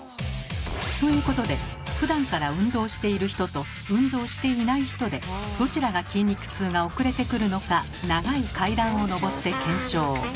ということでふだんから運動している人と運動していない人でどちらが筋肉痛が遅れてくるのか長い階段を上って検証。